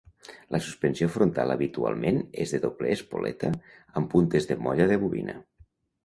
La suspensió frontal habitualment és de doble espoleta amb puntes de molla de bobina.